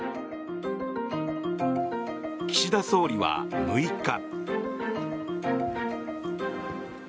岸田総理は６日。